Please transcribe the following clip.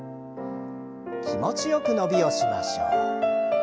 気持ちよく伸びをしましょう。